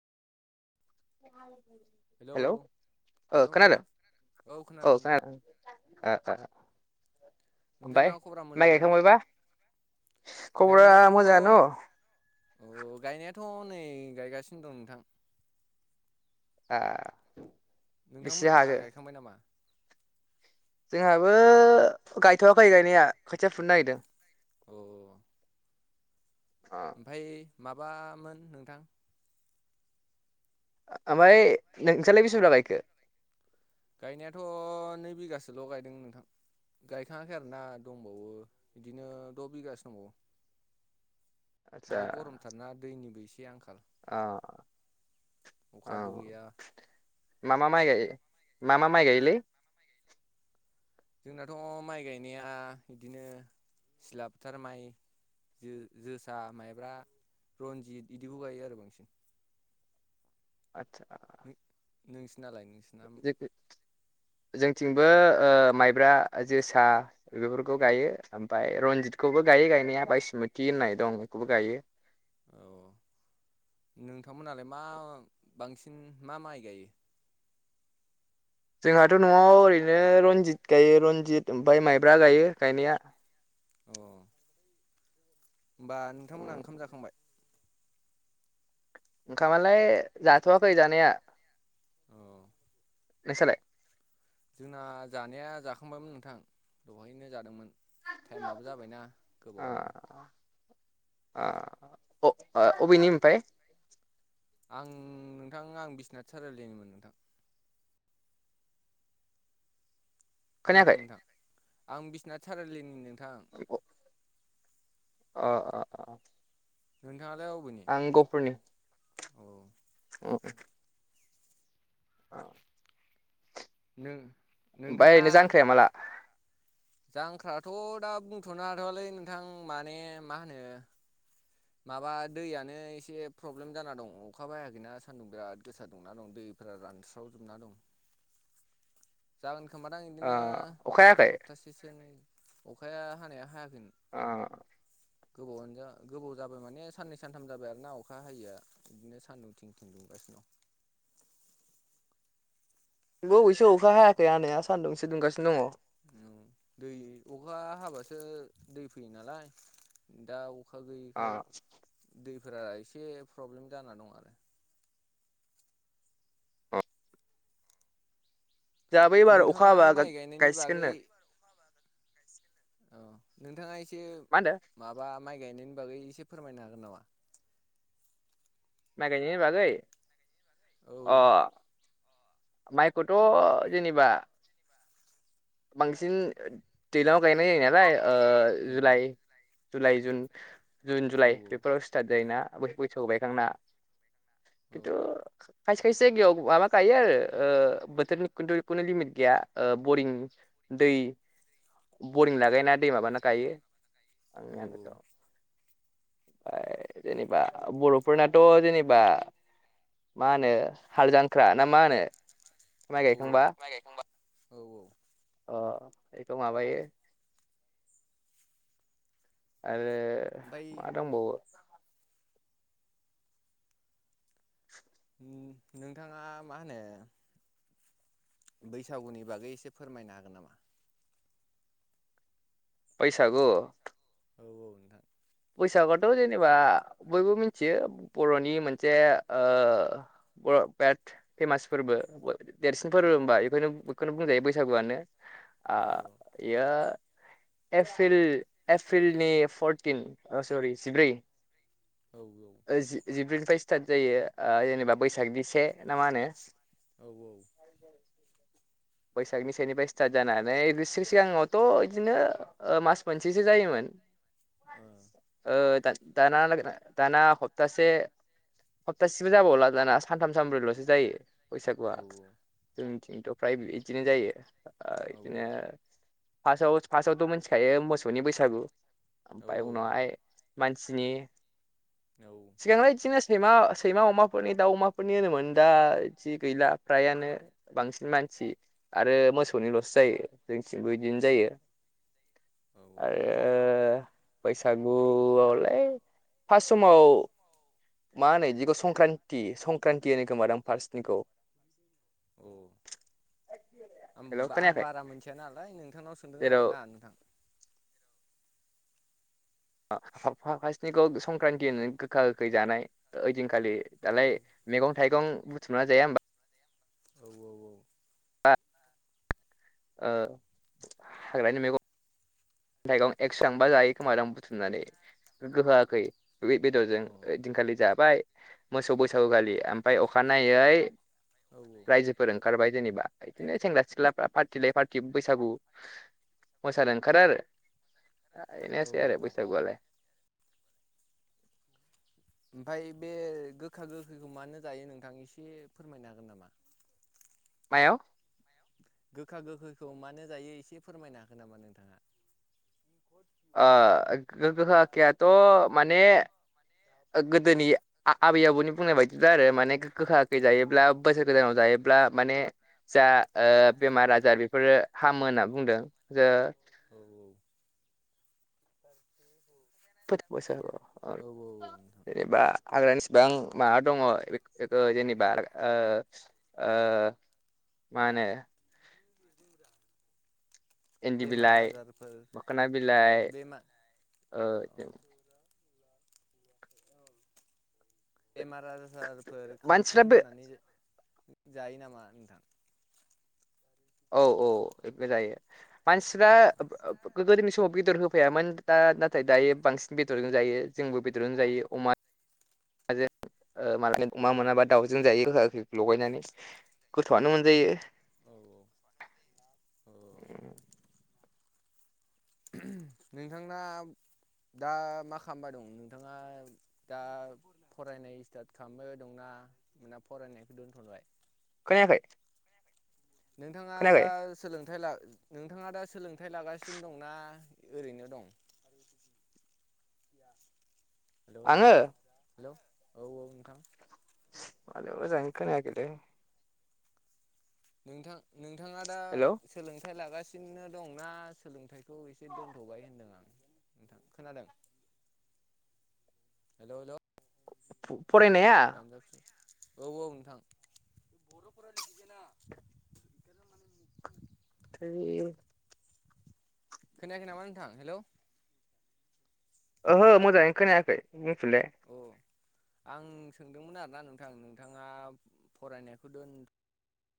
Hello ओ hello खोनादों? नोंथां औ खोनादों नोंथां आ आ आमफाय नोंथांना खबरा मोजां माय ना गायखांबायबा? खबरा गायनायाथ' मोजाङान'। अ गायनायाथ' नै गायगासिनो दं नोंथां। आ बेसे नोंथांमोनना हाखो गायखांबाय नामा? जोंहाबो गायथ'वाखै गायनाया खोथिया फुनो नागिरदों। अ अ आमफाय माबामोन नोंथां? आमफाय नोंसालाय बेसे बुरजा गायखो? गायनायाथ' नै बिगासोल' गायदों नोंथां। गायखाङाखै आरोना दंबावो बिदिनो द' बिगासो दंबावो। आदसा दा गरमथारना दैनिबो एसे आंखाल। आ आ। अखाबो गैया मा मा माइ गाइयो मा मा माइ गाइयोलै? जोंनाथ' माइ गायनाया बिदिनो सिलाफथार माइ जो-जोसा माइब्रा रन्जित इदिखौ गाइयो आरो बांसिन। आतसा [inaudible] नोंसिनालाय नोंसिना? जोंथिंबो ओ माइब्रा जोसा बेफोरखौ गायो ओमफफ्राय रनजितखौबो गायो गायनाया बायसमति होननाय दं बेखौबो गायो औ औ नोंथांमोनहालाय मा बांसिन मा माइ गायो? जोंहाथ' न'आव ओरैनो रनजित गायो रनजित ओमफफ्राय माइब्रा गायो गायनाया अ होमबा नोंथांमोनहा ओंखाम जाखांबाय? ओंखामालाय जाथवाखै जानाया अ नोसालाय? जोंना जानाया जाखांबायमोन नोंथां दहायनो जादोंमोन। थाइमआबो जाबायना गोबावानो आ अ अबेनि ओमफ्राय? आं नोंथां आं बिस्नाथ सारिलिनिमोन नोंथां खोनादों खोनायाखै नोंथां आं बिस्नाथ सारिलिनि नोंथां अ अ अ नोंथाङालाय अ आं गपुरनि आ [inaudible] [inaudible] नों नोंथाङा बायनो जांख्राया माला जांख्राथ' दा बुंथ'नो हाथ'वालै नोंथां माने मा होनो माबा दैयानो एसे फ्रब्लेम जाना दं अखाबो हायाखैना सान्दुं बिराद गोसा दुंना दं दै फ्रा रानस्रावजोबना दं [inaudible] जागोन खोमा दां आं ओ इदिनो अखा हायाखै सप्तासे [unintelligible] अखाया हानाया हायगोन आ गोबावनो जा गोबाव जाबाय माने साननै सानथाम जाबाय आरो ना अखा हायैया बिदिनो सानदुं थिं थिं दुंगासिनो दं नंगौ अखा हायाखै हानाया सान्दुं एसे दुंगासिनो दङ औ दै अखा हाबासो दै फैयो नालाय दा अखा गैयैखाय दैफोरा एसे प्रब्लेम जाना दं आरो जोंहाबो एबार अखा नोंथाङा हाबा माइ गायनायनि बागै गायसिगोननो औ नोंथाङा एसे मा होनदों माबा माइ गायनायनि बागै एसे फोरमायनो हागोन नामा? माइ गायनायनि बागै औ अ मायख'थ' जेनेबा बांसिन दैलाङाव गायनाय जायो नालाय औ ओ जुलाइ जुलाइ जुन जुन औ जुलाइ बेफोराव स्टार्ट जायोना बैसागु बायखांना औ खिन्थु खायसे खायसे जायगायाव माबा गायो ओ बोथोरनि खिन्थु खुनु लिमिट गैया बरिं दै बरिं लागायना दै माबाना गायो औ आंनि आनदासाव ओ जेनेबा बर'फोरनाथ' जेनेबा मा होनो हाल जांख्रा ना मा होनो माइ औ औ गायखांबा माइ गायखांबा औ औ अ बेखौ माबायो आरो ओमफ्राय मा दंबावो उम नोंथाङा मा होनो बैसागुनि बागै एसे फोरमायनो हागोन नामा? बैसाागु औ औ नोंथां बैसागुआथ' जेनेबा बयबो मिनथियो बर'नि मोनसे ओ बर' बेद फेमास फोरबो देरसिन औ फोरबो होनबा एफोनो एखौनो बुंजायो बैसागुआनो आ औ एयो एप्रिल एप्रिलनि फरटिन ओ सरि जिब्रै औ औ जि जिब्रैनिफ्राय स्टार्ट जायो ओ जेनेबा बैसागनि से ना मा होनो औ औ बैसागनि सेनिफ्राय स्टार्ट जानानै गोसो सिगाङावथ' इदिनो मास मोनसेसो जायोमोन ओ ओ दा दाना [unintelligible] दाना हपतासे हप्तासेबो जाबावला दाना सानथाम सानब्रैल'सो जायो बैसागुआ जोंनिथिंथ' फ्राय इदिनो जायो ओ इदिनो फासआव फास्टआवथ' मोन्थिखायो मोसौनि बैसागु ओमफाय उनावहाय मानसिनि औ सिगांलाय इदिनो सैमा सैमा अमाफोरनि दाउ अमाफोरनि होनोमोन दा इदि गैला फ्रायानो बांसिन मानसि आरो मोसौनिल'सो जायो जोंथिंबो इदिनो जायो औ औ ओ बैसागुआवलाय फास्ट समाव मा होनो इदिखौ संक्रान्ति संक्रान्ति होनो खोमादां फार्सनिखौ अ [unintelligible] हेल' आं खोनायाखै बारा मोनन्थिआ नालाय नोंथांनाव सोंदों आरो जेराव ना नोंथां। [unintelligible] फासनिखौ संक्रान्ति होनो गोखा गोखै जानाय ओइदिनखालि औ दालाय मेगं-थाइगं बुथुमना जाया होमबा औ औ औ ओ हाग्रानि मेगन थाइगं एकसांबा जायो खोमादां बुथुमनानै गोखा गोखै बे बेदरजों सुबुंफ्रा ओइदिनखालि जाबाय मोसौ बैसौखालि ओमफाय अखानायै औ औ रायजोफोर ओंखारबाय जेनेबा इदिनो सेंग्रा सिख्लाफ्रा पार्टि लायै पार्टि बैसागु मोसानो ओंखारो आरो औ बेनोसै आरो बैसागुआलाय। ओमफ्राय बे गोखा गोखैखौ मानो जायो नोंथां एसे फोरमायनो हागोन नामा। मायाव गोखा गोखैखौ मानो जायो एसे फोरमायनो हागोन नामा नोंथाङा। ओ गोखा गोखैयाथ' माने गोदोनि आबै आबौनि बुंनाय बायदिब्ला आरो माने गोखा गोखै औ जायोब्ला बोसोर गोदानाव जायोब्ला माने जा ओ बेमार आजार बेफोरो हामो होनना बुंदों जो औ औ। औ औ बोसोराव नोंथां। जेनेबा हाग्रानिसिबां माबा दङ बेखौ जेनेबा ओ। ओ माहोनो [unintelligible] इन्दि बेमार बिलाइ आजारफोर मोखोना बिलाइ बेमार ओ औ औ बेमार आजारफोर मानसिफ्रा खारथों बे होननानै। जायो नामा नोंथां। औ औ बेबो जायो मानसिफ्रा। औ गोदोनि समाव बेदर होफायामोन दा नाथाय दायो बांसिन बेदरजों जायो जोंबो बेदरजोंनो जायो अमा। अमाजों ओ अमा मोनाबा दाउजों जायो गोखा गोखैखौ लगायनानै। गोथावआनो मोनजायो। औ औ। औ। नोंथांना। दा मा खालामबाय दं नोंथाङा दा। फरायनाय स्टार्ट खालामबाय दंना ना फरायनायखौ दोनथ'बाय। खोनाखै। नोंथाङा दा। सोलोंथाइ ला नोंथाङा दा सोलोंथाइ लागासिनो दंना ओरैनो दं। आरो। हेलौ हेलौ आङो हेलौ औ औ नोंथां। बांद्राय मोजांङै खोनायाखैलै। नोंथां नोंथाङा दा। हेलौ सोलोंथाइ लागासिनो दंना सोलोंथाइखौ एसे दोनथ'बाय होनदों आं। नोंथां खोनादों हेलौ हेलौ फरायनाया। औ औ नोंथां थैय खोनायाखै नामा नोंथां हेलौ। ओहो मोजाङै खोनायाखै बुंफिनलाय। औ आं सोंदोंमोन आरोना नोंथां नोंथाङा फरायनायखौ दोन।